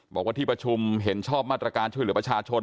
บอกว่าที่ประชุมเห็นชอบมาตรการช่วยเหลือประชาชน